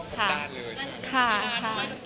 กีฬาด้วย